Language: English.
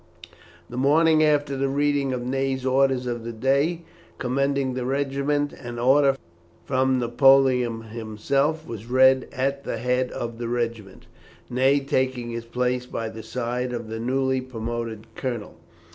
The morning after the reading of Ney's order of the day commending the regiment, an order from Napoleon himself was read at the head of the regiment, Ney taking his place by the side of the newly promoted colonel.